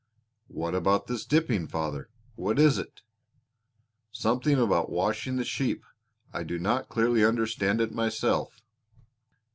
"What about this dipping, father? What is it?" "Something about washing the sheep. I do not clearly understand it myself."